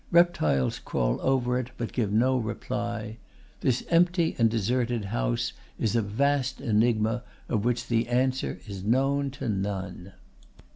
Reptiles crawl over it, but give no reply. This empty and deserted house is a vast enigma of which the answer is known to none.